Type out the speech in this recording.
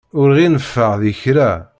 Ur ɣ-ineffeɛ di kra.